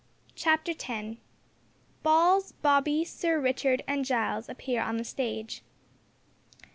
CHAPTER TEN. BALLS, BOBBY, SIR RICHARD, AND GILES APPEAR ON THE STAGE.